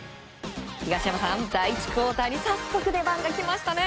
東山さん、第１クオーターに早速出番が来ましたね。